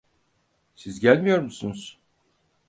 Siz gelmiyor musunuz?